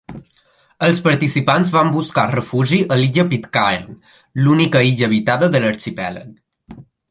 Els participants van buscar refugi a l'illa Pitcairn, l'única illa habitada de l'arxipèlag.